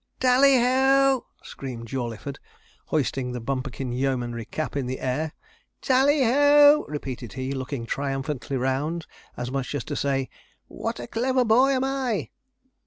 'Tally ho!' screamed Jawleyford, hoisting the Bumperkin Yeomanry cap in the air. 'Tally ho!' repeated he, looking triumphantly round, as much as to say, 'What a clever boy am I!'